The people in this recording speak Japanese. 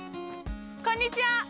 こんにちは。